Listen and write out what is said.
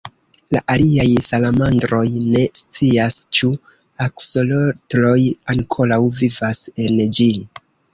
La aliaj salamandroj ne scias ĉu aksolotloj ankoraŭ vivas en ĝi.